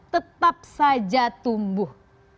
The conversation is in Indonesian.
tetap saja tumbuh